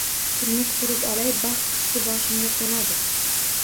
Turmush qurib olay, baxt qushi boshimga qo‘nadi.